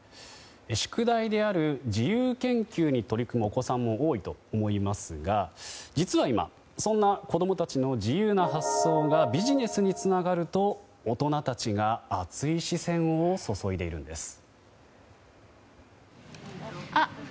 宿題である自由研究に取り組むお子さんも多いと思いますが実は今、そんな子供たちの自由な発想がビジネスにつながると大人たちが熱い視線を注いでいるんです。